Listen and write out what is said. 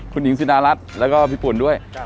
คุณหญิงสุดารัฐแล้วก็พี่ปุ่นด้วย